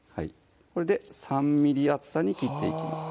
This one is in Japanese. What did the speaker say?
これで３ｍｍ厚さに切っていきます